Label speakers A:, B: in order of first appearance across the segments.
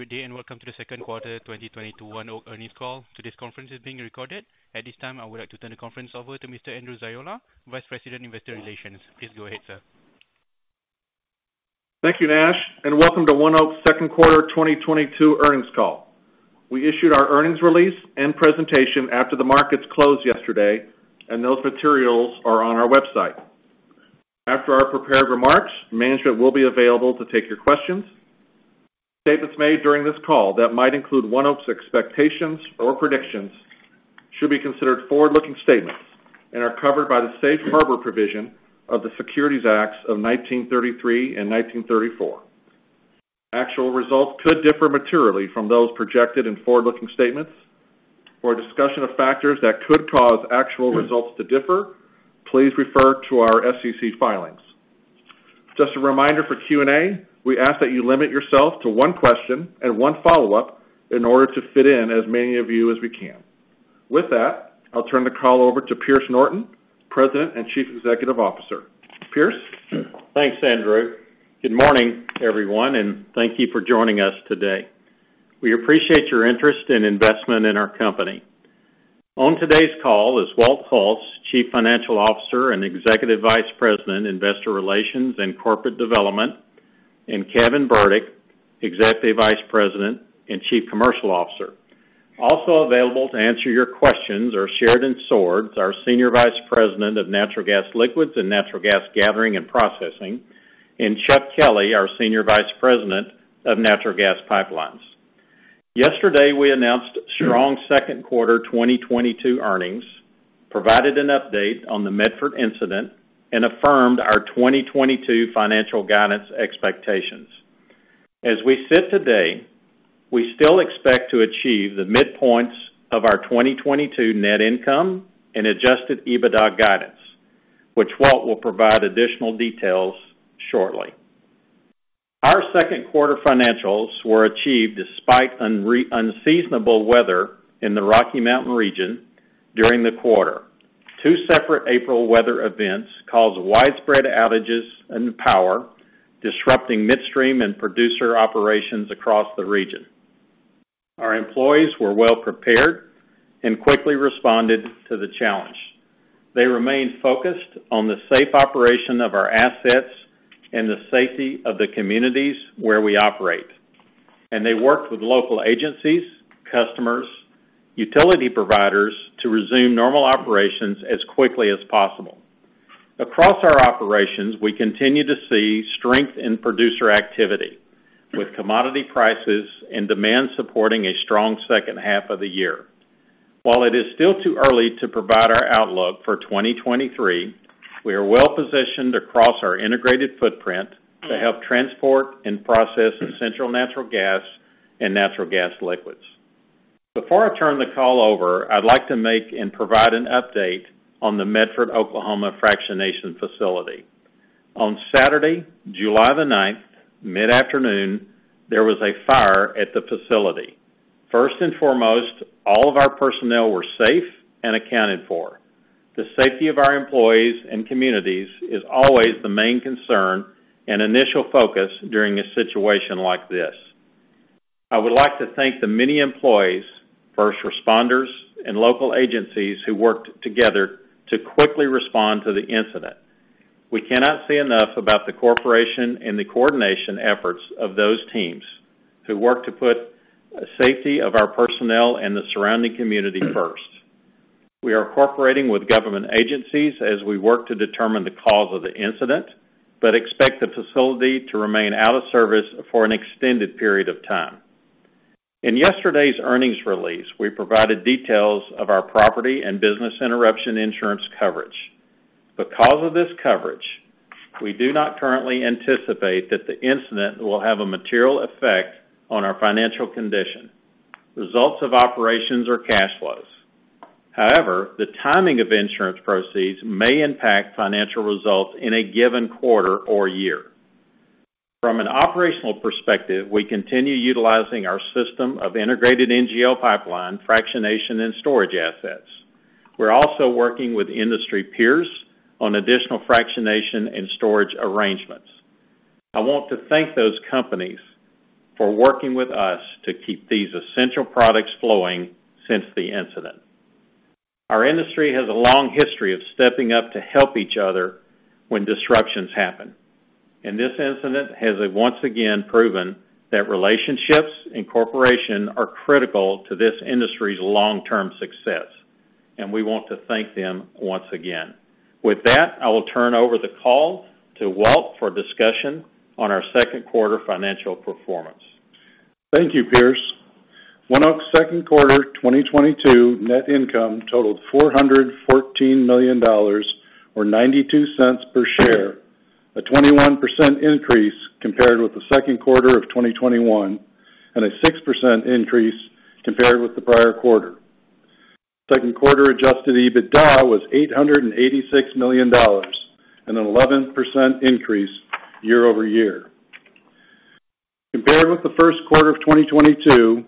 A: Good day, and welcome to the Second Quarter 2022 ONEOK Earnings Call. Today's conference is being recorded. At this time, I would like to turn the conference over to Mr. Andrew Ziola, Vice President, Investor Relations. Please go ahead, sir.
B: Thank you, Nash, and welcome to ONEOK's Second Quarter 2022 Earnings Call. We issued our earnings release and presentation after the markets closed yesterday, and those materials are on our website. After our prepared remarks, management will be available to take your questions. Statements made during this call that might include ONEOK's expectations or predictions should be considered forward-looking statements and are covered by the safe harbor provision of the Securities Acts of 1933 and 1934. Actual results could differ materially from those projected in forward-looking statements. For a discussion of factors that could cause actual results to differ, please refer to our SEC filings. Just a reminder for Q&A, we ask that you limit yourself to one question and one follow-up in order to fit in as many of you as we can. With that, I'll turn the call over to Pierce Norton, President and Chief Executive Officer. Pierce?
C: Thanks, Andrew. Good morning, everyone, and thank you for joining us today. We appreciate your interest and investment in our company. On today's call is Walt Hulse, Chief Financial Officer and Executive Vice President, Investor Relations and Corporate Development, and Kevin Burdick, Executive Vice President and Chief Commercial Officer. Also available to answer your questions are Sheridan Swords, our Senior Vice President of Natural Gas Liquids and Natural Gas Gathering and Processing, and Chuck Kelley, our Senior Vice President of Natural Gas Pipelines. Yesterday, we announced strong second quarter 2022 earnings, provided an update on the Medford incident, and affirmed our 2022 financial guidance expectations. As we sit today, we still expect to achieve the midpoints of our 2022 net income and adjusted EBITDA guidance, which Walt will provide additional details shortly. Our second quarter financials were achieved despite unseasonable weather in the Rocky Mountain region during the quarter. Two separate April weather events caused widespread outages and power, disrupting midstream and producer operations across the region. Our employees were well prepared and quickly responded to the challenge. They remained focused on the safe operation of our assets and the safety of the communities where we operate, and they worked with local agencies, customers, utility providers to resume normal operations as quickly as possible. Across our operations, we continue to see strength in producer activity, with commodity prices and demand supporting a strong second half of the year. While it is still too early to provide our outlook for 2023, we are well-positioned across our integrated footprint to help transport and process essential natural gas and natural gas liquids. Before I turn the call over, I'd like to make and provide an update on the Medford, Oklahoma fractionation facility. On Saturday, July the ninth, mid-afternoon, there was a fire at the facility. First and foremost, all of our personnel were safe and accounted for. The safety of our employees and communities is always the main concern and initial focus during a situation like this. I would like to thank the many employees, first responders, and local agencies who worked together to quickly respond to the incident. We cannot say enough about the cooperation and the coordination efforts of those teams who worked to put safety of our personnel and the surrounding community first. We are cooperating with government agencies as we work to determine the cause of the incident but expect the facility to remain out of service for an extended period of time. In yesterday's earnings release, we provided details of our property and business interruption insurance coverage. Because of this coverage, we do not currently anticipate that the incident will have a material effect on our financial condition, results of operations, or cash flows. However, the timing of insurance proceeds may impact financial results in a given quarter or year. From an operational perspective, we continue utilizing our system of integrated NGL pipeline, fractionation, and storage assets. We're also working with industry peers on additional fractionation and storage arrangements. I want to thank those companies for working with us to keep these essential products flowing since the incident. Our industry has a long history of stepping up to help each other when disruptions happen, and this incident has once again proven that relationships and cooperation are critical to this industry's long-term success, and we want to thank them once again. With that, I will turn over the call to Walt for discussion on our second quarter financial performance.
D: Thank you, Pierce. ONEOK's second quarter 2022 net income totaled $414 million or $0.92 per share, a 21% increase compared with the second quarter of 2021, and a 6% increase compared with the prior quarter. Second quarter adjusted EBITDA was $886 million, an 11% increase year-over-year. Compared with the first quarter of 2022.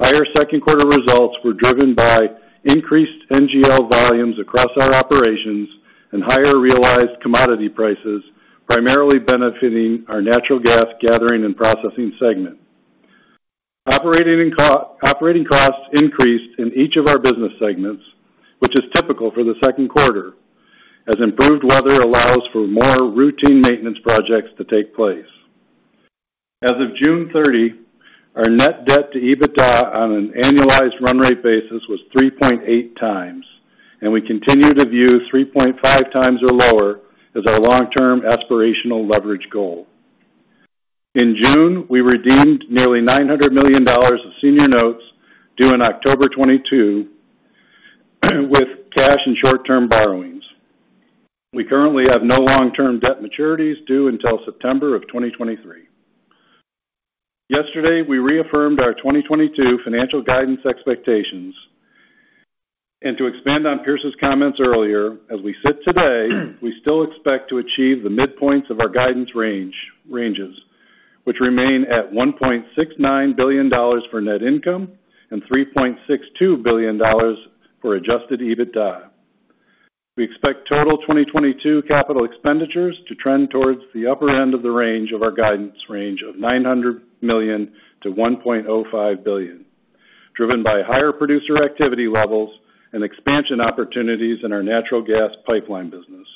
D: Our second quarter results were driven by increased NGL volumes across our operations and higher realized commodity prices, primarily benefiting our natural gas gathering and processing segment. Operating and cooperating costs increased in each of our business segments, which is typical for the second quarter, as improved weather allows for more routine maintenance projects to take place. As of 30 June 2022, our net debt to EBITDA on an annualized run rate basis was 3.8x, and we continue to view 3.5x or lower as our long-term aspirational leverage goal. In June, we redeemed nearly $900 million of senior notes due in October 2022 with cash and short-term borrowings. We currently have no long-term debt maturities due until September of 2023. Yesterday, we reaffirmed our 2022 financial guidance expectations. To expand on Pierce's comments earlier, as we sit today, we still expect to achieve the midpoints of our guidance ranges, which remain at $1.69 billion for net income and $3.62 billion for adjusted EBITDA. We expect total 2022 capital expenditures to trend towards the upper end of the range of our guidance range of $900 million to 1.05 billion, driven by higher producer activity levels and expansion opportunities in our natural gas pipeline business.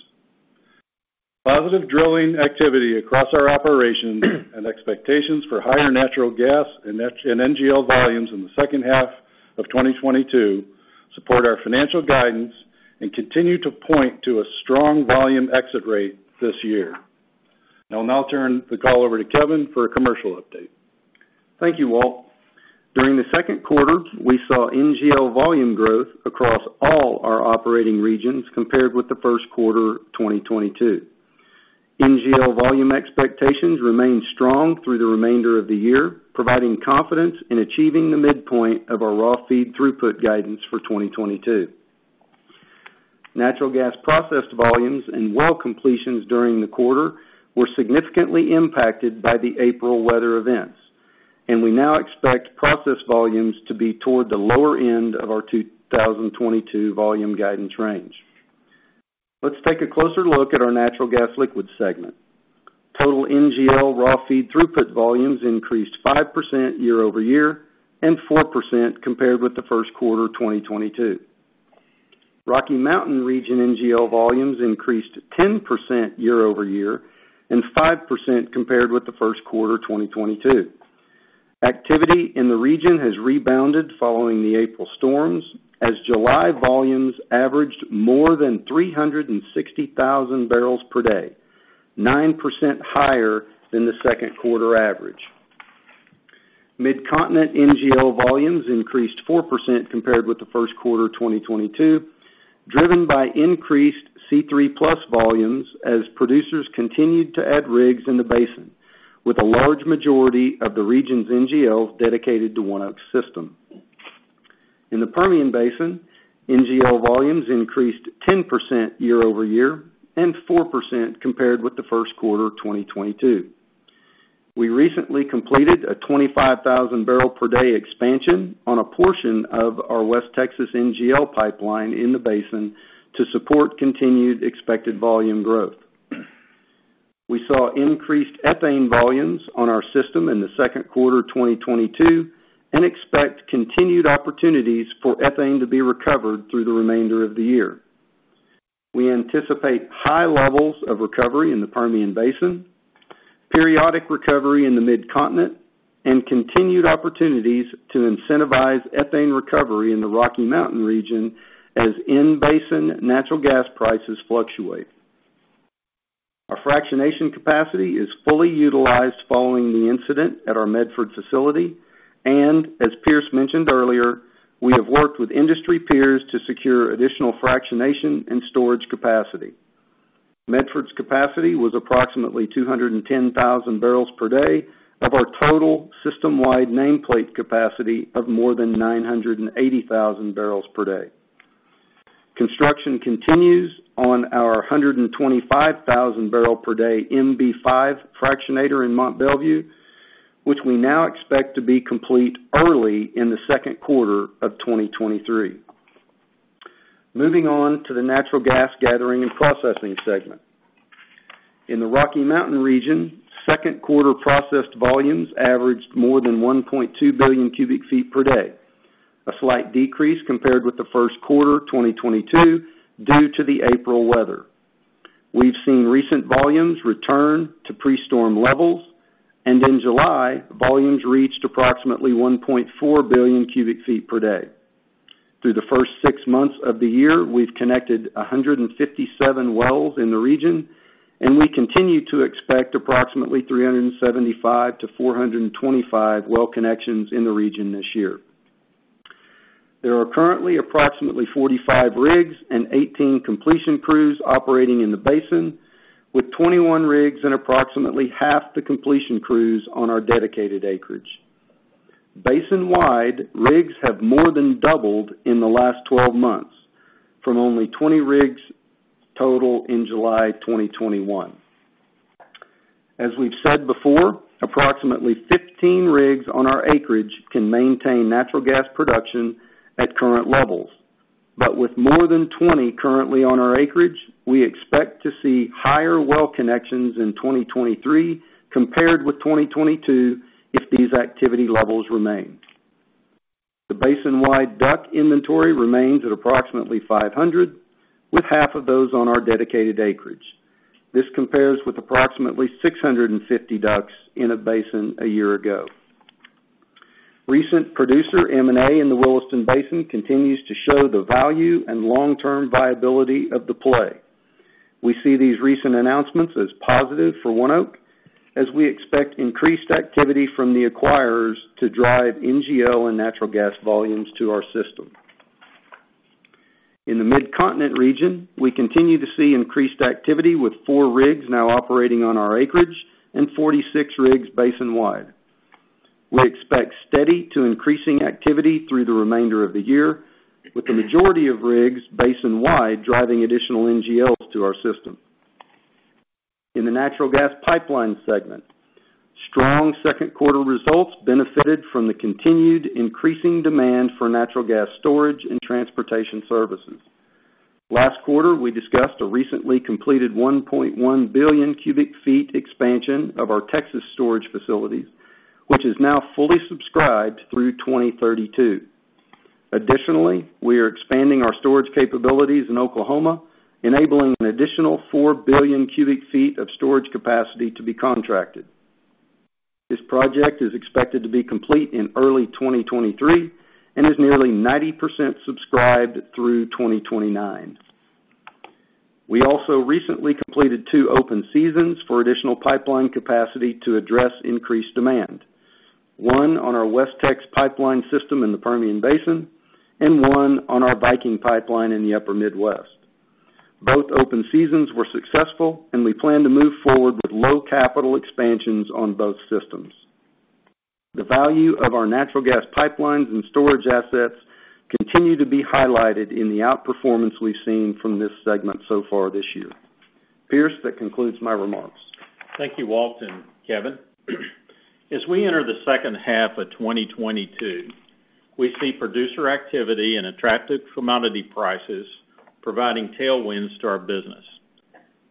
D: Positive drilling activity across our operations and expectations for higher natural gas and NGL volumes in the second half of 2022 support our financial guidance and continue to point to a strong volume exit rate this year. I'll now turn the call over to Kevin for a commercial update.
E: Thank you, Walt. During the second quarter, we saw NGL volume growth across all our operating regions compared with the first quarter 2022. NGL volume expectations remain strong through the remainder of the year, providing confidence in achieving the midpoint of our raw feed throughput guidance for 2022. Natural gas processed volumes and well completions during the quarter were significantly impacted by the April weather events, and we now expect processed volumes to be toward the lower end of our 2022 volume guidance range. Let's take a closer look at our natural gas liquids segment. Total NGL raw feed throughput volumes increased 5% year-over-year and 4% compared with the first quarter 2022. Rocky Mountain Region NGL volumes increased 10% year-over-year and 5% compared with the first quarter 2022. Activity in the region has rebounded following the April storms as July volumes averaged more than 360,000 barrels per day, 9% higher than the second quarter average. Mid-Continent NGL volumes increased 4% compared with the first quarter 2022, driven by increased C3+ volumes as producers continued to add rigs in the basin, with a large majority of the region's NGL dedicated to ONEOK's system. In the Permian Basin, NGL volumes increased 10% year-over-year and 4% compared with the first quarter 2022. We recently completed a 25,000 barrel per day expansion on a portion of our West Texas NGL Pipeline in the basin to support continued expected volume growth. We saw increased ethane volumes on our system in the second quarter 2022 and expect continued opportunities for ethane to be recovered through the remainder of the year. We anticipate high levels of recovery in the Permian Basin, periodic recovery in the Mid-Continent, and continued opportunities to incentivize ethane recovery in the Rocky Mountain region as in-basin natural gas prices fluctuate. Our fractionation capacity is fully utilized following the incident at our Medford facility, and as Pierce mentioned earlier, we have worked with industry peers to secure additional fractionation and storage capacity. Medford's capacity was approximately 210,000 barrels per day of our total system-wide nameplate capacity of more than 980,000 barrels per day. Construction continues on our 125,000 barrel per day MB5 fractionator in Mont Belvieu, which we now expect to be complete early in the second quarter of 2023. Moving on to the natural gas gathering and processing segment. In the Rocky Mountain region, second quarter processed volumes averaged more than 1.2 billion cubic feet per day, a slight decrease compared with the first quarter 2022 due to the April weather. We've seen recent volumes return to pre-storm levels, and in July, volumes reached approximately 1.4 billion cubic feet per day. Through the first six months of the year, we've connected 157 wells in the region, and we continue to expect approximately 375 to 425 well connections in the region this year. There are currently approximately 45 rigs and 18 completion crews operating in the basin, with 21 rigs and approximately 1/2 The completion crews on our dedicated acreage. Basin-wide, rigs have more than doubled in the last 12 months from only 20 rigs total in July 2021. As we've said before, approximately 15 rigs on our acreage can maintain natural gas production at current levels. With more than 20 currently on our acreage, we expect to see higher well connections in 2023 compared with 2022 if these activity levels remain. The basinwide DUC inventory remains at approximately 500, with 1/2 of those on our dedicated acreage. This compares with approximately 650 DUCs in a basin a year ago. Recent producer M&A in the Williston Basin continues to show the value and long-term viability of the play. We see these recent announcements as positive for ONEOK as we expect increased activity from the acquirers to drive NGL and natural gas volumes to our system. In the Mid-Continent region, we continue to see increased activity with four rigs now operating on our acreage and 46 rigs basin-wide. We expect steady to increasing activity through the remainder of the year, with the majority of rigs basin-wide driving additional NGLs to our system. In the natural gas pipeline segment, strong second quarter results benefited from the continued increasing demand for natural gas storage and transportation services. Last quarter, we discussed a recently completed 1.1 billion cubic feet expansion of our Texas storage facilities, which is now fully subscribed through 2032. Additionally, we are expanding our storage capabilities in Oklahoma, enabling an additional 4 billion cubic feet of storage capacity to be contracted. This project is expected to be complete in early 2023 and is nearly 90% subscribed through 2029. We also recently completed two open seasons for additional pipeline capacity to address increased demand, one on our WesTex pipeline system in the Permian Basin, and one on our Viking pipeline in the upper Midwest. Both open seasons were successful, and we plan to move forward with low capital expansions on both systems. The value of our natural gas pipelines and storage assets continue to be highlighted in the outperformance we've seen from this segment so far this year. Pierce, that concludes my remarks.
C: Thank you, Walt and Kevin. As we enter the second half of 2022, we see producer activity and attractive commodity prices providing tailwinds to our business.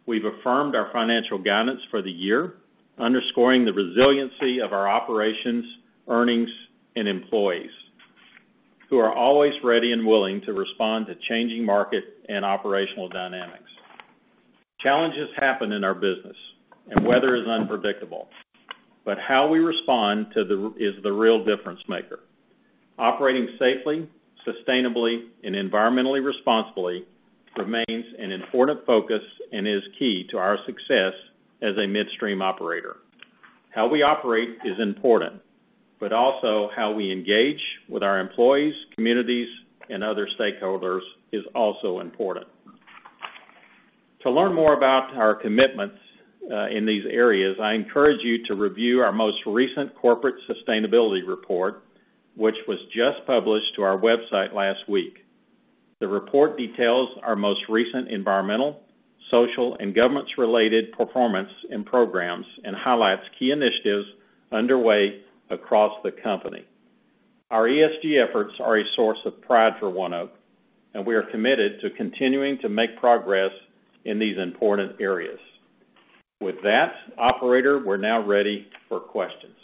C: We've affirmed our financial guidance for the year, underscoring the resiliency of our operations, earnings, and employees, who are always ready and willing to respond to changing market and operational dynamics. Challenges happen in our business, and weather is unpredictable, but how we respond is the real difference maker. Operating safely, sustainably, and environmentally responsibly remains an important focus and is key to our success as a midstream operator. How we operate is important, but also how we engage with our employees, communities, and other stakeholders is also important. To learn more about our commitments in these areas, I encourage you to review our most recent corporate sustainability report, which was just published to our website last week. The report details our most recent environmental, social, and governance-related performance and programs and highlights key initiatives underway across the company. Our ESG efforts are a source of pride for ONEOK, and we are committed to continuing to make progress in these important areas. With that, operator, we're now ready for questions.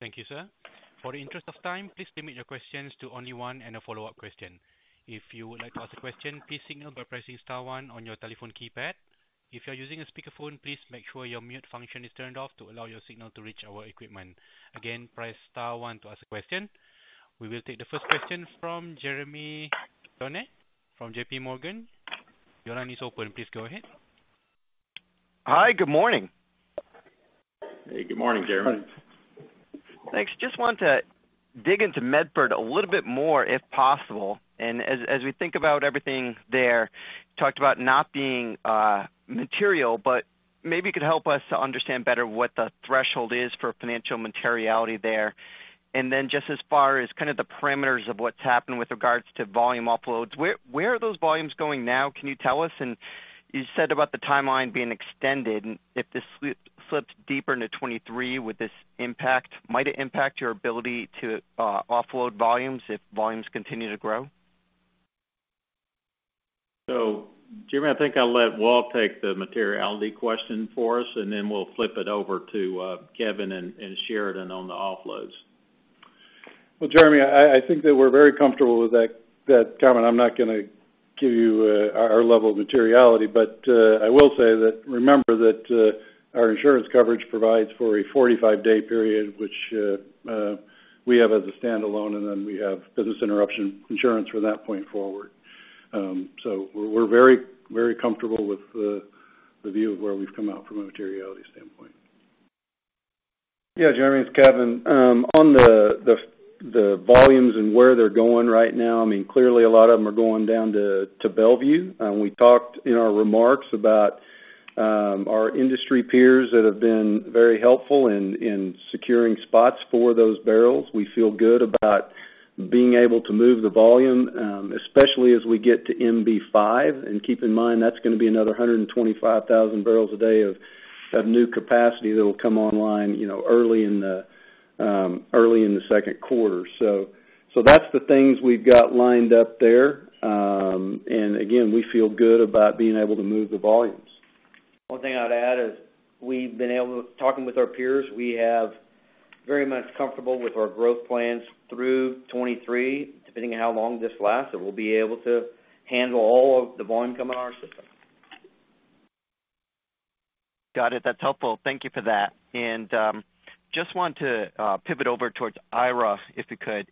A: Thank you, sir. For the interest of time, please limit your questions to only one and a follow-up question. If you would like to ask a question, please signal by pressing star one on your telephone keypad. If you're using a speakerphone, please make sure your mute function is turned off to allow your signal to reach our equipment. Again, press star one to ask a question. We will take the first question from Jeremy Tonet from JPMorgan. Your line is open. Please go ahead.
F: Hi. Good morning.
C: Hey, good morning, Jeremy.
E: Good morning.
F: Thanks. Just want to dig into Medford a little bit more, if possible. As we think about everything there, talked about not being material, but maybe you could help us to understand better what the threshold is for financial materiality there. Then just as far as kind of the parameters of what's happened with regards to volume offloads, where are those volumes going now, can you tell us? You said about the timeline being extended, and if this slips deeper into 2023 with this impact, might it impact your ability to offload volumes if volumes continue to grow?
C: Jeremy, I think I'll let Walt take the materiality question for us, and then we'll flip it over to Kevin and Sheridan on the offloads.
D: Well, Jeremy, I think that we're very comfortable with that comment. I'm not gonna give you our level of materiality. I will say that remember that our insurance coverage provides for a 45-day period, which we have as a standalone, and then we have business interruption insurance from that point forward. So we're very comfortable with the view of where we've come out from a materiality standpoint.
E: Yeah. Jeremy, it's Kevin. On the volumes and where they're going right now, I mean, clearly a lot of them are going down to Mont Belvieu. We talked in our remarks about our industry peers that have been very helpful in securing spots for those barrels. We feel good about being able to move the volume, especially as we get to MB-5. Keep in mind, that's gonna be another 125,000 barrels a day of new capacity that will come online, you know, early in the second quarter. So that's the things we've got lined up there. Again, we feel good about being able to move the volumes.
G: One thing I'd add is we've been talking with our peers. We are very comfortable with our growth plans through 2023. Depending on how long this last, we'll be able to handle all of the volume coming in our system.
F: Got it. That's helpful. Thank you for that. Just want to pivot over towards IRA, if you could.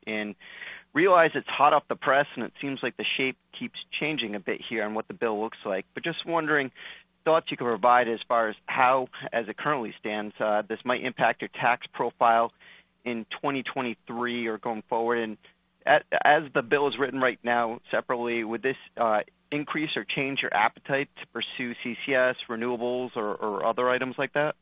F: Realize it's hot off the press, and it seems like the shape keeps changing a bit here on what the bill looks like. Just wondering, thoughts you could provide as far as how, as it currently stands, this might impact your tax profile in 2023 or going forward. As the bill is written right now, separately, would this increase or change your appetite to pursue CCS, renewables or other items like that?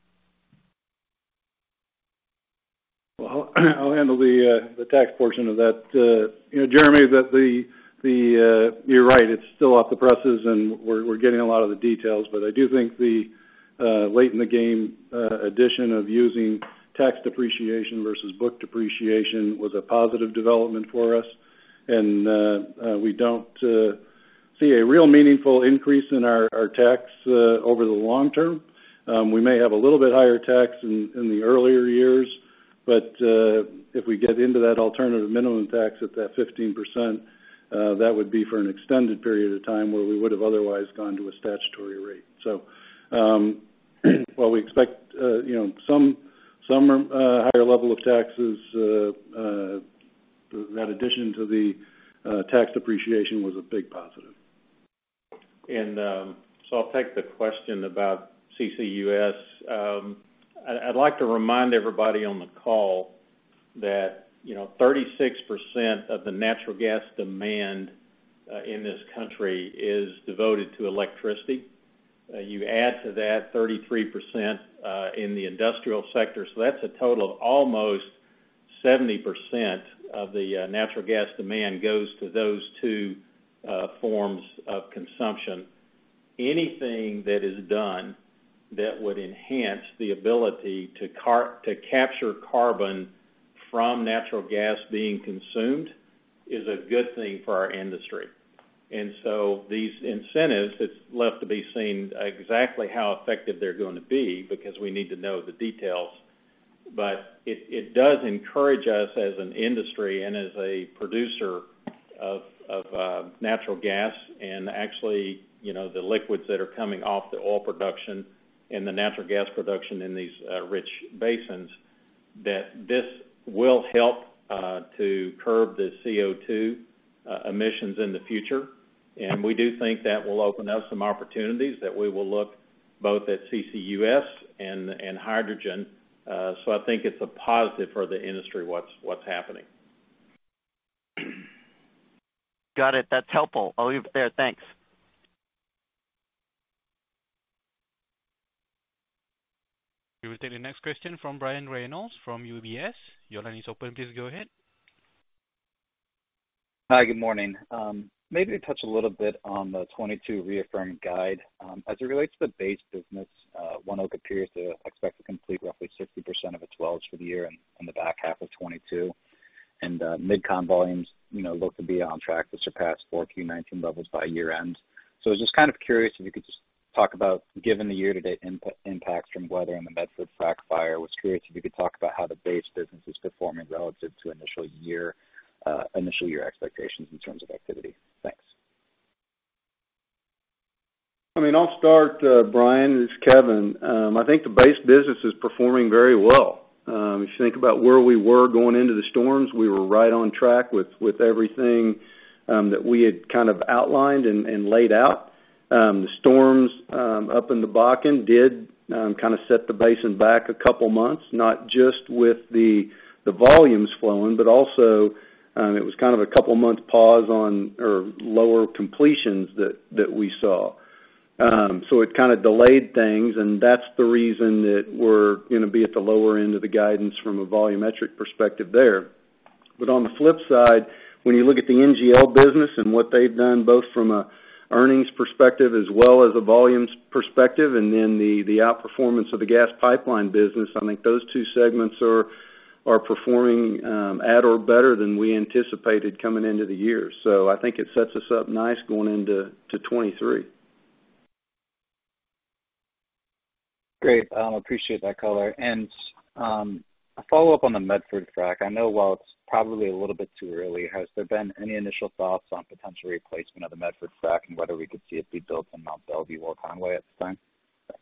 D: Well, I'll handle the tax portion of that. You know, Jeremy, you're right, it's still off the presses and we're getting a lot of the details. I do think the late in the game addition of using tax depreciation versus book depreciation was a positive development for us. We don't see a real meaningful increase in our tax over the long term. We may have a little bit higher tax in the earlier years. If we get into that alternative minimum tax at that 15%, that would be for an extended period of time where we would have otherwise gone to a statutory rate. While we expect, you know, some higher level of taxes, that addition to the tax depreciation was a big positive.
C: I'll take the question about CCUS. I'd like to remind everybody on the call that, you know, 36% of the natural gas demand in this country is devoted to electricity. You add to that 33% in the industrial sector. That's a total of almost 70% of the natural gas demand goes to those two forms of consumption. Anything that is done that would enhance the ability to capture carbon from natural gas being consumed is a good thing for our industry. These incentives, it's left to be seen exactly how effective they're going to be because we need to know the details. It does encourage us as an industry and as a producer of natural gas and actually, you know, the liquids that are coming off the oil production and the natural gas production in these rich basins, that this will help to curb the CO2 emissions in the future. We do think that will open up some opportunities that we will look both at CCUS and hydrogen. I think it's a positive for the industry, what's happening.
F: Got it. That's helpful. I'll leave it there. Thanks.
A: We will take the next question from Brian Reynolds from UBS. Your line is open. Please go ahead.
H: Hi, good morning. Maybe touch a little bit on the 2022 reaffirmed guide. As it relates to the base business, ONEOK appears to expect to complete roughly 60% of its wells for the year in the back half of 2022. MidCon volumes, you know, look to be on track to surpass fourth quarter 2019 levels by year-end. I was just kind of curious if you could talk about, given the year-to-date impacts from weather and the Medford frac fire, how the base business is performing relative to initial year expectations in terms of activity. Thanks.
E: I mean, I'll start, Brian, it's Kevin. I think the base business is performing very well. If you think about where we were going into the storms, we were right on track with everything that we had kind of outlined and laid out. The storms up in the Bakken did kind of set the basin back a couple of months, not just with the volumes flowing, but also, it was kind of a couple of months pause on or lower completions that we saw. It kind of delayed things, and that's the reason that we're gonna be at the lower end of the guidance from a volumetric perspective there. On the flip side, when you look at the NGL business and what they've done, both from an earnings perspective as well as a volumes perspective, and then the outperformance of the gas pipeline business, I think those two segments are performing at or better than we anticipated coming into the year. I think it sets us up nice going into 2023.
H: Great. Appreciate that color. A follow-up on the Medford frac. I know while it's probably a little bit too early, has there been any initial thoughts on potential replacement of the Medford frac and whether we could see it be built in Mont Belvieu or Conway at this time? Thanks.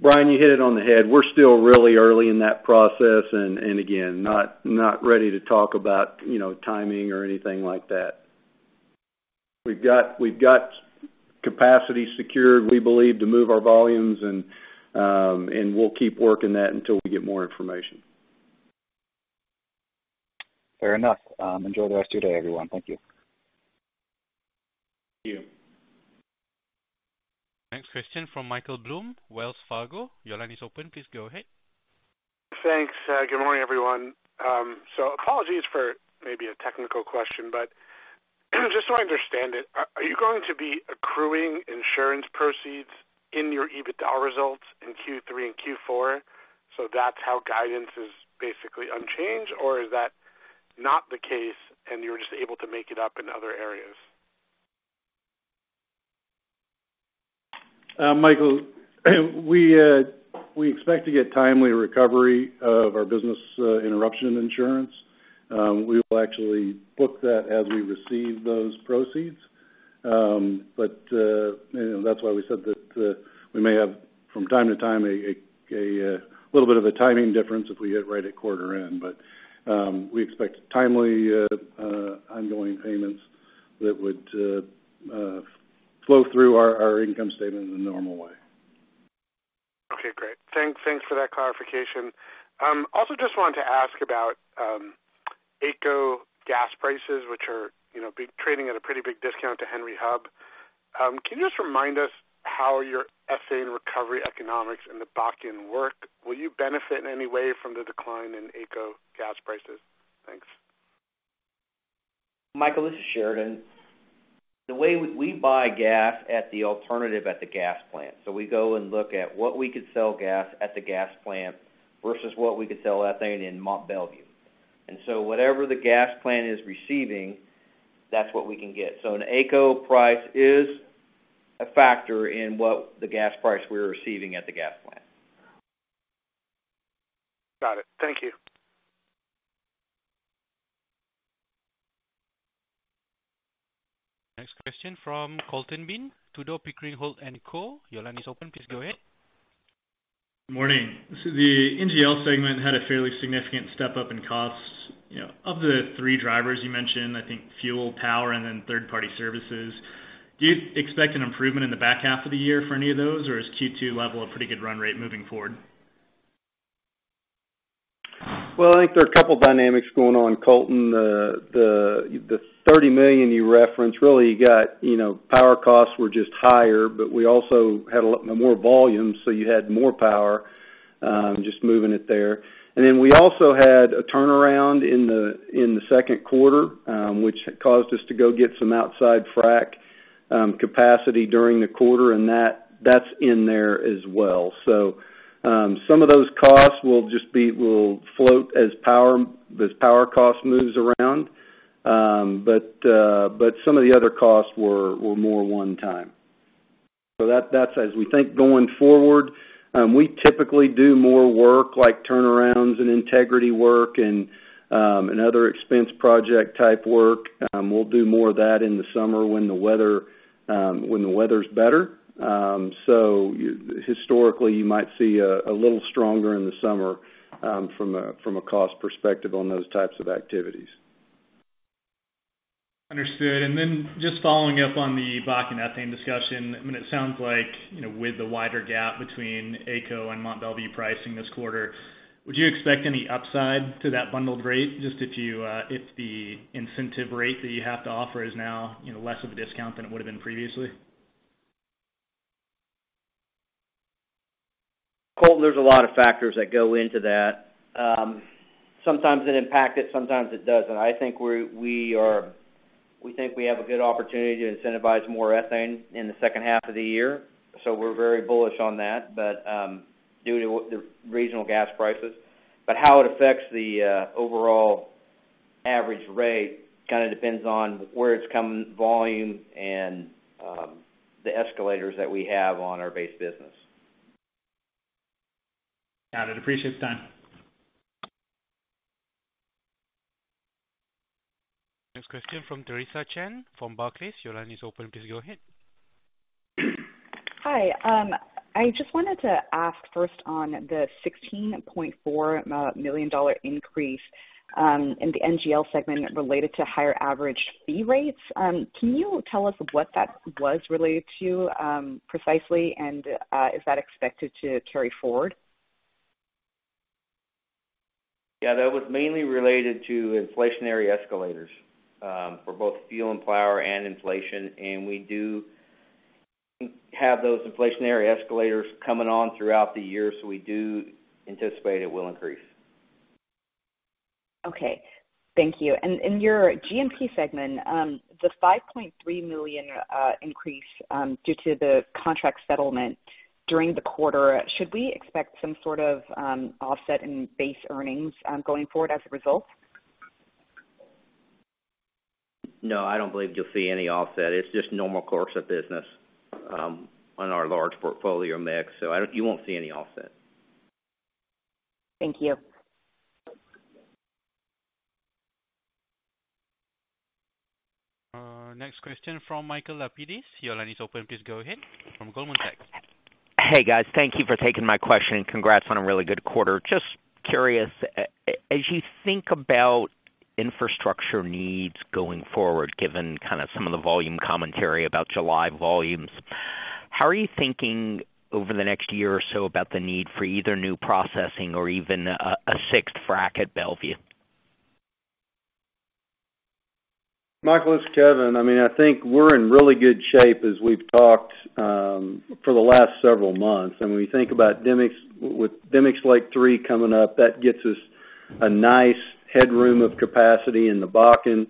E: Brian, you hit it on the head. We're still really early in that process, and again, not ready to talk about, you know, timing or anything like that. We've got capacity secured, we believe, to move our volumes, and we'll keep working that until we get more information.
H: Fair enough. Enjoy the rest of your day, everyone. Thank you.
E: Thank you.
A: Question from Michael Blum, Wells Fargo, your line is open. Please go ahead.
I: Thanks. Good morning, everyone. Apologies for maybe a technical question, but just so I understand it, are you going to be accruing insurance proceeds in your EBITDA results in third quarter and fourth quarter? That's how guidance is basically unchanged or is that not the case and you're just able to make it up in other areas?
E: Michael, we expect to get timely recovery of our business interruption insurance. We will actually book that as we receive those proceeds. You know, that's why we said that we may have from time to time a little bit of a timing difference if we hit right at quarter end. We expect timely ongoing payments that would flow through our income statement in the normal way.
I: Okay, great. Thanks for that clarification. Also just wanted to ask about AECO gas prices, which are, you know, trading at a pretty big discount to Henry Hub. Can you just remind us how your NGL and recovery economics in the Bakken work? Will you benefit in any way from the decline in AECO gas prices? Thanks.
G: Michael, this is Sheridan. The way we buy gas at the inlet at the gas plant. We go and look at what we could sell gas at the gas plant versus what we could sell ethane in Mont Belvieu. Whatever the gas plant is receiving, that's what we can get. An AECO price is a factor in what the gas price we're receiving at the gas plant.
I: Got it. Thank you.
A: Next question from Colton Bean, Tudor, Pickering, Holt & Co. Your line is open. Please go ahead.
J: Morning. The NGL segment had a fairly significant step-up in costs. You know, of the three drivers you mentioned, I think fuel, power, and then third-party services, do you expect an improvement in the back half of the year for any of those, or is second quarter level a pretty good run rate moving forward?
E: Well, I think there are a couple of dynamics going on, Colton. The $30 million you referenced, really you got, you know, power costs were just higher, but we also had more volume, so you had more power just moving it there. Then we also had a turnaround in the second quarter, which caused us to go get some outside frac capacity during the quarter, and that's in there as well. Some of those costs will just float as power cost moves around. Some of the other costs were more one time. That's as we think going forward, we typically do more work like turnarounds and integrity work and other expense project type work. We'll do more of that in the summer when the weather's better. Historically, you might see a little stronger in the summer from a cost perspective on those types of activities.
J: Understood. Just following up on the Bakken ethane discussion, I mean, it sounds like, you know, with the wider gap between AECO and Mont Belvieu pricing this quarter, would you expect any upside to that bundled rate just if you, if the incentive rate that you have to offer is now, you know, less of a discount than it would have been previously?
G: Colton, there's a lot of factors that go into that. Sometimes it impacts it, sometimes it doesn't. I think we have a good opportunity to incentivize more ethane in the second half of the year, so we're very bullish on that, but due to the regional gas prices. How it affects the overall average rate kind of depends on where the volume is coming from and the escalators that we have on our base business.
J: Got it. Appreciate the time.
A: Next question from Theresa Chen from Barclays. Your line is open. Please go ahead.
K: Hi. I just wanted to ask first on the $16.4 million increase in the NGL segment related to higher average fee rates. Can you tell us what that was related to precisely, and is that expected to carry forward?
G: Yeah, that was mainly related to inflationary escalators, for both fuel and power and inflation. We do have those inflationary escalators coming on throughout the year, so we do anticipate it will increase.
K: Okay. Thank you. In your G&P segment, the $5.3 million increase due to the contract settlement during the quarter, should we expect some sort of offset in base earnings going forward as a result?
G: No, I don't believe you'll see any offset. It's just normal course of business on our large portfolio mix. You won't see any offset.
K: Thank you.
A: Next question from Michael Lapides. Your line is open. Please go ahead. From Goldman Sachs.
L: Hey, guys. Thank you for taking my question, and congrats on a really good quarter. Just curious, as you think about infrastructure needs going forward, given kind of some of the volume commentary about July volumes, how are you thinking over the next year or so about the need for either new processing or even a sixth frac at Mont Belvieu?
E: Michael, this is Kevin. I mean, I think we're in really good shape as we've talked for the last several months. When you think about Demicks, with Demicks Lake III coming up, that gets us a nice headroom of capacity in the Bakken.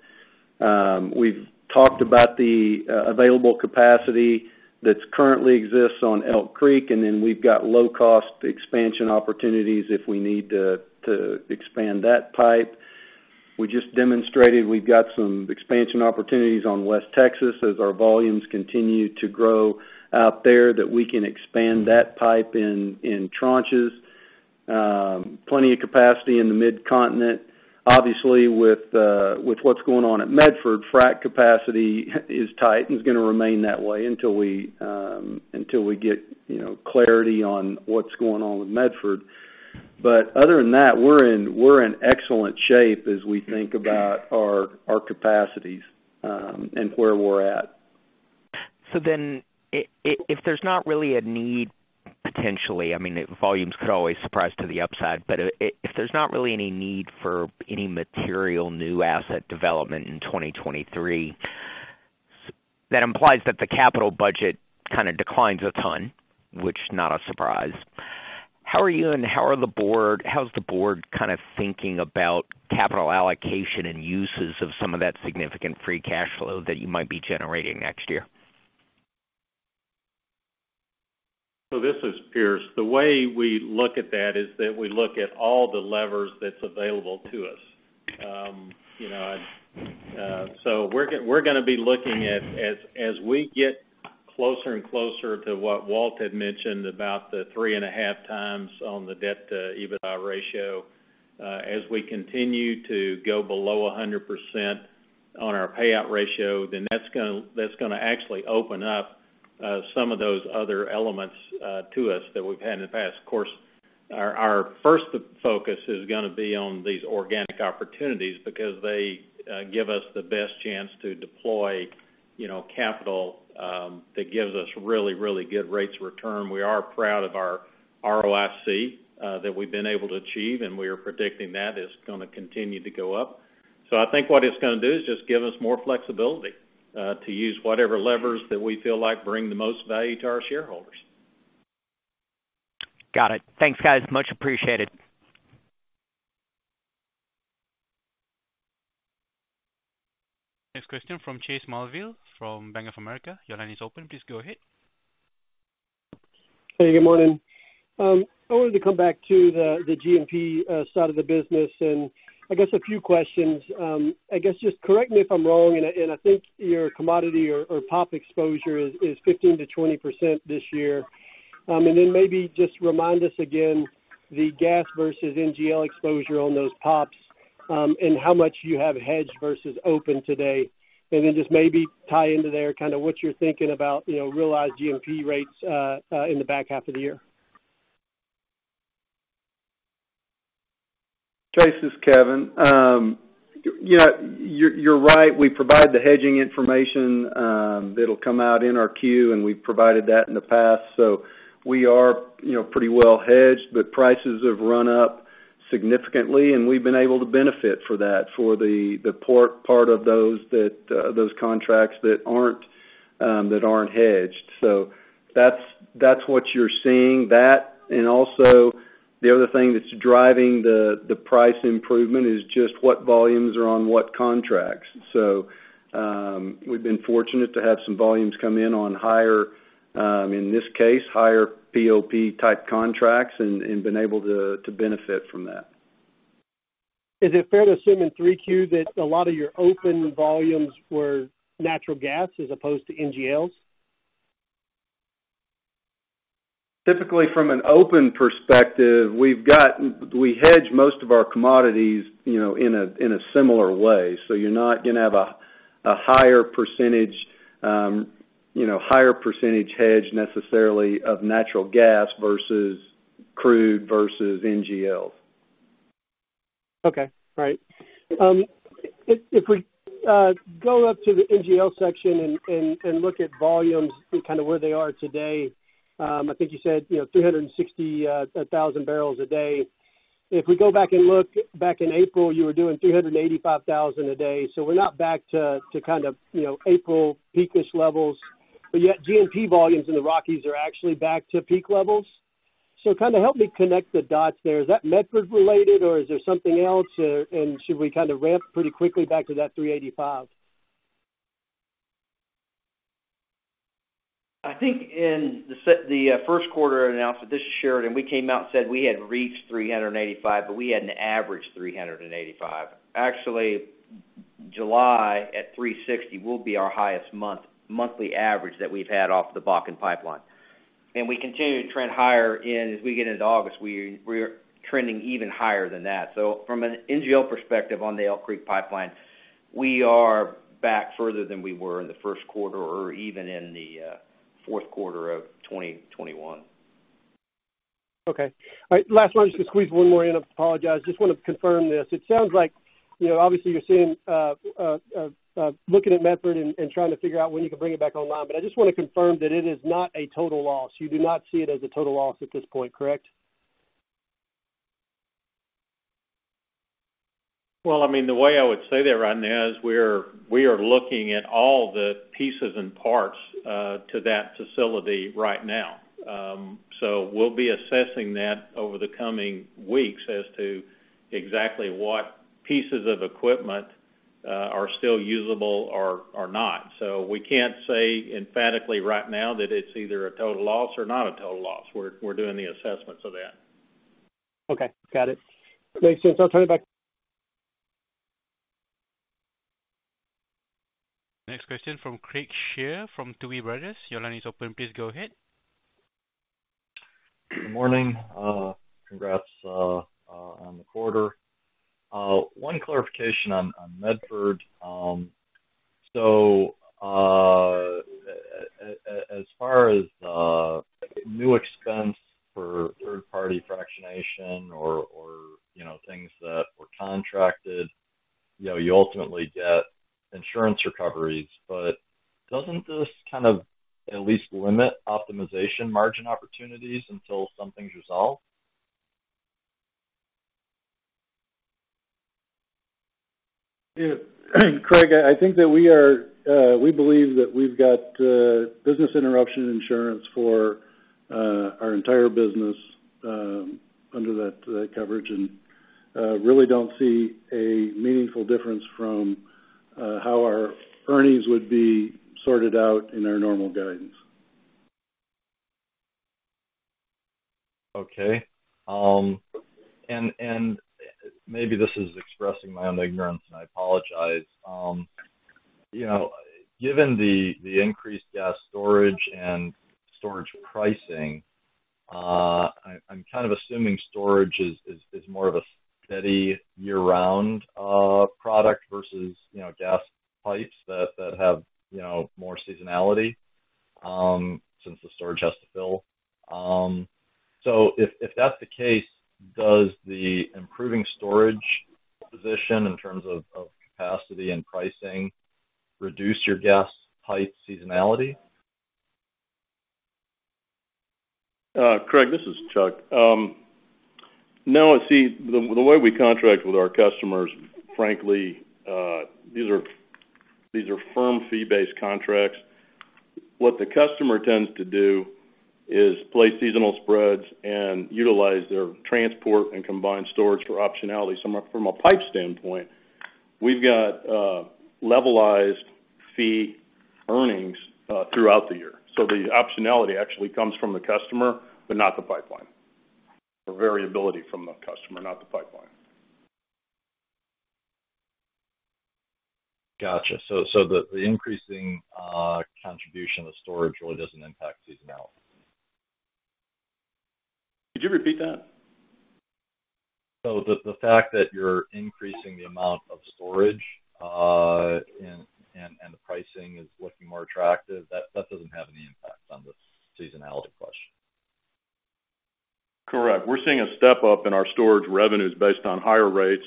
E: We've talked about the available capacity that currently exists on Elk Creek, and then we've got low cost expansion opportunities if we need to expand that pipe. We just demonstrated we've got some expansion opportunities on West Texas as our volumes continue to grow out there, that we can expand that pipe in tranches. Plenty of capacity in the Mid-Continent. Obviously, with what's going on at Medford, frac capacity is tight and it's gonna remain that way until we get, you know, clarity on what's going on with Medford. Other than that, we're in excellent shape as we think about our capacities, and where we're at.
L: If there's not really a need potentially, I mean, volumes could always surprise to the upside. If there's not really any need for any material new asset development in 2023, that implies that the capital budget kind of declines a ton, which, not a surprise. How's the board kind of thinking about capital allocation and uses of some of that significant free cash flow that you might be generating next year?
C: This is Pierce. The way we look at that is that we look at all the levers that's available to us. You know, we're gonna be looking at, as we get closer and closer to what Walt had mentioned about the 3.5x on the debt-to-EBITDA ratio, as we continue to go below 100% on our payout ratio, then that's gonna actually open up some of those other elements to us that we've had in the past. Of course, our first focus is gonna be on these organic opportunities because they give us the best chance to deploy, you know, capital that gives us really, really good rates of return. We are proud of our ROIC that we've been able to achieve, and we are predicting that is gonna continue to go up. I think what it's gonna do is just give us more flexibility to use whatever levers that we feel like bring the most value to our shareholders.
L: Got it. Thanks, guys. Much appreciated.
A: Next question from Chase Mulvehill from Bank of America. Your line is open. Please go ahead.
M: Hey, good morning. I wanted to come back to the G&P side of the business, and I guess a few questions. I guess, just correct me if I'm wrong, and I think your commodity or POP exposure is 15% to 20% this year. And then maybe just remind us again the gas versus NGL exposure on those POPs, and how much you have hedged versus open today. And then just maybe tie into there, kind of what you're thinking about, you know, realized G&P rates in the back half of the year.
E: Chase, this is Kevin. You know, you're right. We provide the hedging information, that'll come out in our quarter, and we've provided that in the past. We are, you know, pretty well hedged, but prices have run up significantly, and we've been able to benefit from that, for the part of those contracts that aren't hedged. That's what you're seeing. And also, the other thing that's driving the price improvement is just what volumes are on what contracts. We've been fortunate to have some volumes come in on higher, in this case, higher POP-type contracts and been able to benefit from that.
M: Is it fair to assume in third quarter that a lot of your open volumes were natural gas as opposed to NGLs?
E: Typically, from an open perspective, we hedge most of our commodities, you know, in a similar way. So you're not gonna have a higher percentage hedge necessarily of natural gas versus crude versus NGLs.
M: Okay. All right. If we go up to the NGL section and look at volumes and kind of where they are today, I think you said, you know, 360,000 barrels a day. If we go back and look back in April, you were doing 385,000 a day. We're not back to kind of, you know, April peak-ish levels. Yet G&P volumes in the Rockies are actually back to peak levels. Kind of help me connect the dots there. Is that Medford related or is there something else? And should we kind of ramp pretty quickly back to that 385,000?
G: I think in the first quarter announcement, this is Sheridan Swords, we came out and said we had reached 385,000, but we hadn't averaged 385,000. Actually, July at 360,000 will be our highest monthly average that we've had off the Bakken Pipeline. We continue to trend higher and as we get into August, we're trending even higher than that. From an NGL perspective on the Elk Creek Pipeline, we are back further than we were in the first quarter or even in the fourth quarter of 2021.
M: Okay. All right. Last one, just gonna squeeze one more in. I apologize. Just wanna confirm this. It sounds like, you know, obviously you're seeing, looking at Medford and trying to figure out when you can bring it back online. I just wanna confirm that it is not a total loss. You do not see it as a total loss at this point, correct?
N: Well, I mean, the way I would say that, Rodney, is we are looking at all the pieces and parts to that facility right now. We'll be assessing that over the coming weeks as to exactly what pieces of equipment are still usable or not. We can't say emphatically right now that it's either a total loss or not a total loss. We're doing the assessments of that.
M: Okay. Got it. Thanks. I'll turn it back.
A: Next question from Craig Shere from Tuohy Brothers. Your line is open. Please go ahead.
O: Good morning. Congrats on the quarter. One clarification on Medford. So, as far as new expense for third party fractionation or, you know, things that were contracted, you know, you ultimately get insurance recoveries, but doesn't this kind of at least limit optimization margin opportunities until something's resolved?
E: Yeah. Craig, I think that we believe that we've got business interruption insurance for our entire business under that coverage and really don't see a meaningful difference from how our earnings would be sorted out in our normal guidance.
O: Okay. Maybe this is expressing my own ignorance, and I apologize. You know, given the increased gas storage and storage pricing, I'm kind of assuming storage is more of a steady year-round product versus, you know, gas pipes that have more seasonality, since the storage has to fill. If that's the case, does the improving storage position in terms of capacity and pricing reduce your gas pipe seasonality?
N: Craig, this is Chuck. No. See, the way we contract with our customers, frankly, these are firm fee-based contracts. What the customer tends to do is play seasonal spreads and utilize their transport and combined storage for optionality. From a pipe standpoint, we've got levelized fee earnings throughout the year. The optionality actually comes from the customer, but not the pipeline, or variability from the customer, not the pipeline.
O: Gotcha. The increasing contribution of storage really doesn't impact seasonality.
N: Could you repeat that?
O: The fact that you're increasing the amount of storage, and the pricing is looking more attractive, that doesn't have any impact on the seasonality question.
N: Correct. We're seeing a step-up in our storage revenues based on higher rates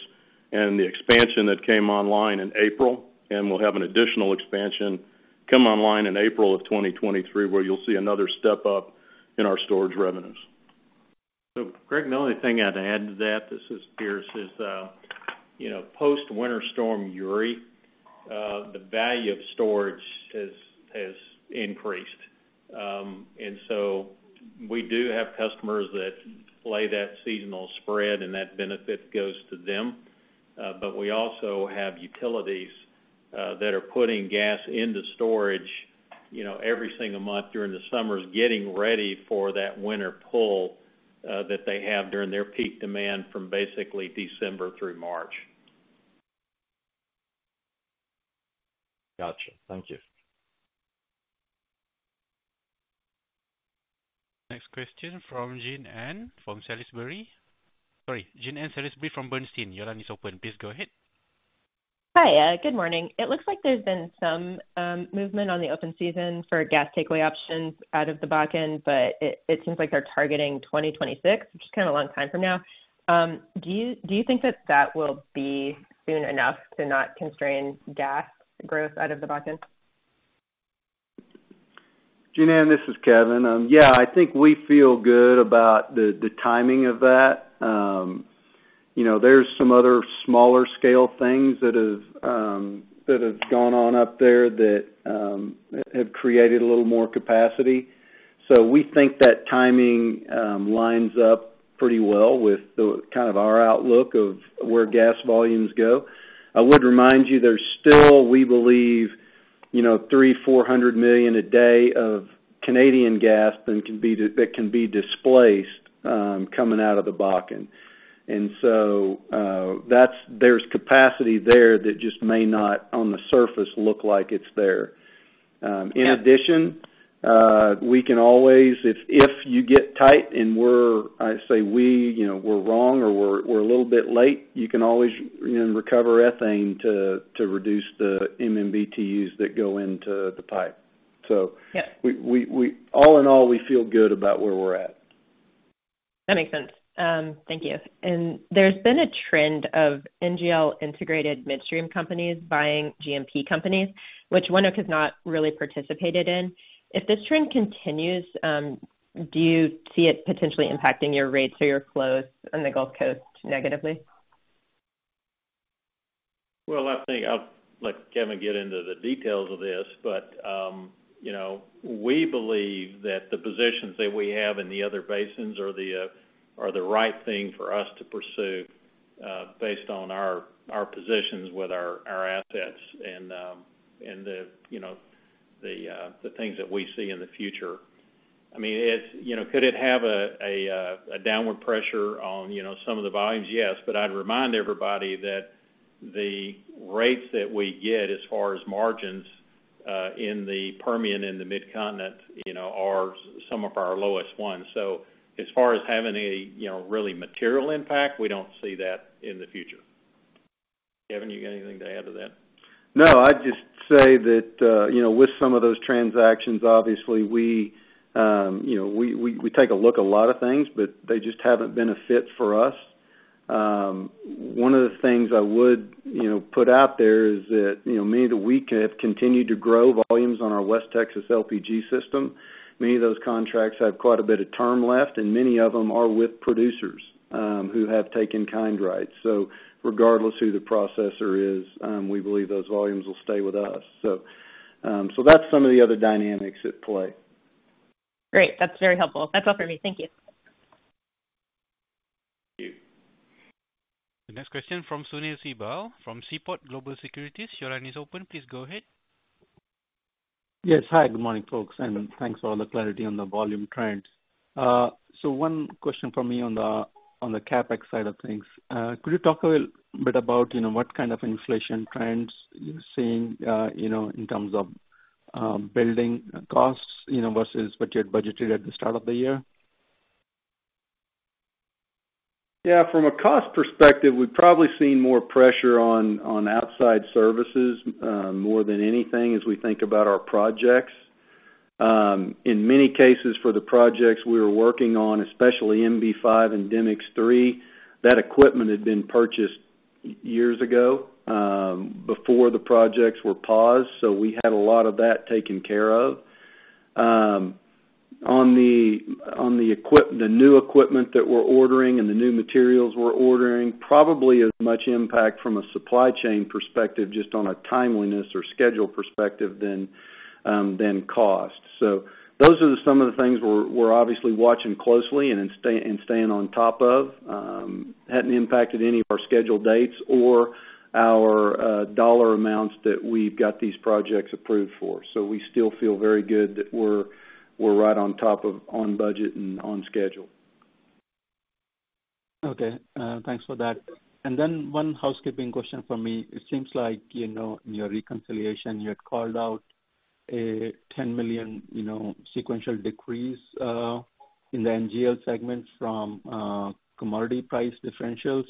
N: and the expansion that came online in April, and we'll have an additional expansion come online in April of 2023, where you'll see another step-up in our storage revenues.
C: Craig, the only thing I'd add to that, this is Pierce, is you know, post Winter Storm Uri, the value of storage has increased. We do have customers that lay that seasonal spread, and that benefit goes to them. We also have utilities that are putting gas into storage, you know, every single month during the summers, getting ready for that winter pull that they have during their peak demand from basically December through March.
O: Gotcha. Thank you.
A: Next question from Jean Ann from Salisbury. Sorry, Jean Ann Salisbury from Bernstein. Your line is open. Please go ahead.
P: Hi. Good morning. It looks like there's been some movement on the open season for gas takeaway options out of the Bakken, but it seems like they're targeting 2026, which is kind of a long time from now. Do you think that will be soon enough to not constrain gas growth out of the Bakken?
E: Jean Ann, this is Kevin. Yeah, I think we feel good about the timing of that. You know, there's some other smaller scale things that have gone on up there that have created a little more capacity. We think that timing lines up pretty well with the kind of our outlook of where gas volumes go. I would remind you, there's still, we believe, you know, $300 to 400 million a day of Canadian gas that can be displaced coming out of the Bakken. There's capacity there that just may not, on the surface, look like it's there. In addition, we can always, if you get tight and we're, I say we, you know, we're wrong or we're a little bit late, you know, recover ethane to reduce the MMBtu that go into the pipe.
P: Yes.
E: We all in all, we feel good about where we're at.
P: That makes sense. Thank you. There's been a trend of NGL integrated midstream companies buying G&P companies, which ONEOK has not really participated in. If this trend continues, do you see it potentially impacting your rates or your flows on the Gulf Coast negatively?
C: Well, I think I'll let Kevin get into the details of this, but you know, we believe that the positions that we have in the other basins are the right thing for us to pursue based on our positions with our assets and the you know the things that we see in the future. I mean, it's you know could it have a downward pressure on you know some of the volumes? Yes. I'd remind everybody that the rates that we get as far as margins in the Permian and the Mid-Continent you know are some of our lowest ones. As far as having, you know, really material impact, we don't see that in the future. Kevin, you got anything to add to that?
E: No, I'd just say that, you know, with some of those transactions, obviously we, you know, we take a look at a lot of things, but they just haven't been a fit for us. One of the things I would, you know, put out there is that, you know, many that we have continued to grow volumes on our West Texas LPG system. Many of those contracts have quite a bit of term left, and many of them are with producers, who have take-in-kind rights. Regardless who the processor is, we believe those volumes will stay with us. That's some of the other dynamics at play.
P: Great. That's very helpful. That's all for me. Thank you.
C: Thank you.
A: The next question from Sunil Sibal from Seaport Global Securities. Your line is open. Please go ahead.
Q: Yes. Hi, good morning, folks, and thanks for all the clarity on the volume trends. So, one question from me on the CapEx side of things. Could you talk a little bit about, you know, what kind of inflation trends you're seeing, you know, in terms of building costs, you know, versus what you had budgeted at the start of the year?
C: Yeah, from a cost perspective, we've probably seen more pressure on outside services, more than anything as we think about our projects. In many cases for the projects we were working on, especially MB-5 and Demicks Lake III, that equipment had been purchased years ago, before the projects were paused, so we had a lot of that taken care of. On the new equipment that we're ordering and the new materials we're ordering, probably as much impact from a supply chain perspective just on a timeliness or schedule perspective than cost. Those are some of the things we're obviously watching closely and staying on top of. Hadn't impacted any of our schedule dates or our dollar amounts that we've got these projects approved for. We still feel very good that we're right on top of on budget and on schedule.
Q: Okay. Thanks for that. One housekeeping question from me. It seems like, you know, in your reconciliation, you had called out a $10 million, you know, sequential decrease in the NGL segment from commodity price differentials.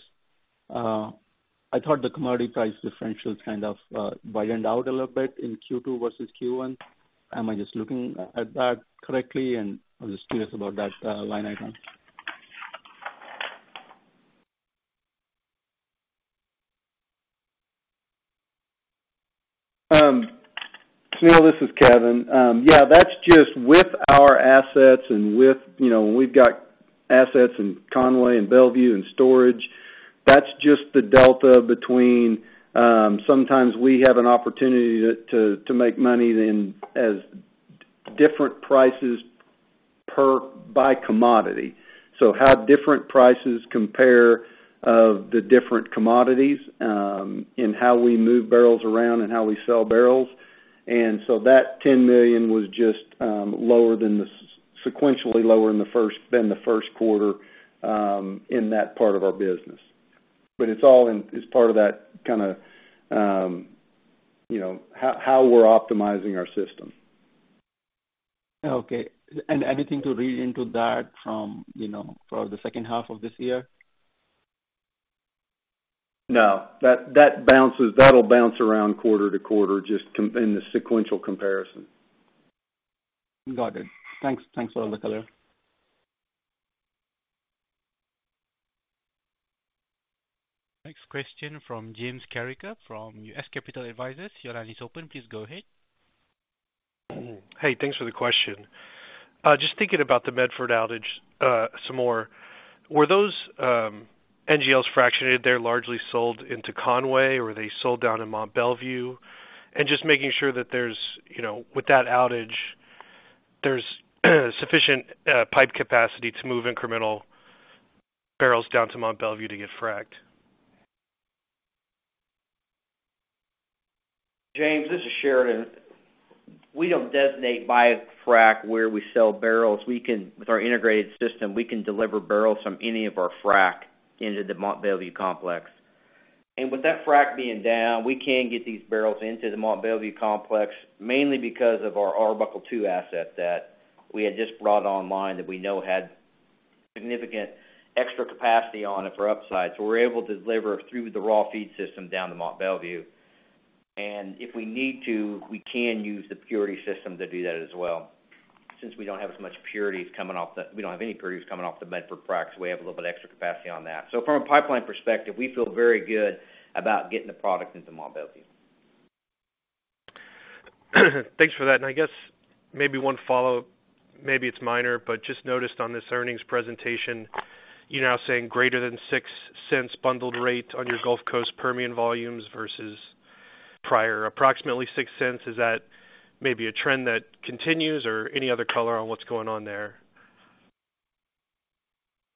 Q: I thought the commodity price differentials kind of widened out a little bit in second quarter versus first quarter. Am I just looking at that correctly and I'm just curious about that line item?
E: Sunil, this is Kevin. Yeah, that's just with our assets and with, you know, we've got assets in Conway and Mont Belvieu and storage. That's just the delta between, sometimes we have an opportunity to make money on as different prices by commodity. How different prices compare of the different commodities, in how we move barrels around and how we sell barrels. That $10 million was just sequentially lower than the first quarter, in that part of our business. It's all in—it's part of that kind of, you know, how we're optimizing our system.
Q: Okay. Anything to read into that from, you know, for the second half of this year?
E: No. That'll bounce around quarter to quarter just coming in the sequential comparison.
Q: Got it. Thanks, thanks for all the color.
A: Next question from James Carreker from U.S. Capital Advisors. Your line is open. Please go ahead.
R: Hey, thanks for the question. Just thinking about the Medford outage, some more. Were those NGLs fractionated there largely sold into Conway, or were they sold down in Mont Belvieu? Just making sure that there's, you know, with that outage, there's sufficient pipe capacity to move incremental barrels down to Mont Belvieu to get fractionated.
G: James, this is Sheridan. We don't designate by frac where we sell barrels. With our integrated system, we can deliver barrels from any of our frac into the Mont Belvieu complex. With that frac being down, we can get these barrels into the Mont Belvieu complex, mainly because of our Arbuckle II asset that we had just brought online that we know had significant extra capacity on it for upside. We're able to deliver through the raw feed system down to Mont Belvieu. If we need to, we can use the purity system to do that as well. Since we don't have any purities coming off the Medford fracs, we have a little bit extra capacity on that. From a pipeline perspective, we feel very good about getting the product into Mont Belvieu.
R: Thanks for that. I guess maybe one follow-up, maybe it's minor, but just noticed on this earnings presentation, you're now saying greater than $0.06 bundled rate on your Gulf Coast Permian volumes versus prior approximately $0.06. Is that maybe a trend that continues or any other color on what's going on there?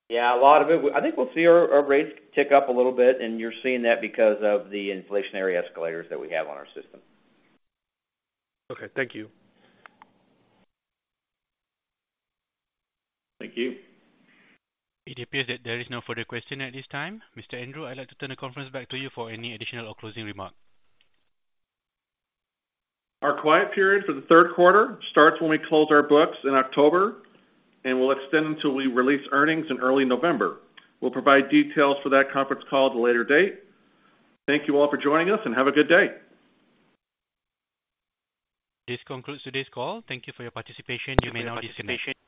G: Yeah, a lot of it, I think we'll see our rates tick up a little bit, and you're seeing that because of the inflationary escalators that we have on our system.
R: Okay. Thank you.
C: Thank you.
A: It appears that there is no further question at this time. Mr. Andrew, I'd like to turn the conference back to you for any additional or closing remark.
B: Our quiet period for the third quarter starts when we close our books in October and will extend until we release earnings in early November. We'll provide details for that conference call at a later date. Thank you all for joining us, and have a good day.
A: This concludes today's call. Thank you for your participation. You may now disconnect.